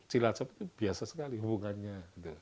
cilacap itu biasa sekali hubungannya